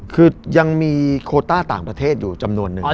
คือยังมีโคต้าต่างประเทศอยู่จำนวนนึง